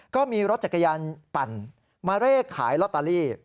ก็มีรถจักรยานปั่นมาเร่ขายลอตเตอรี่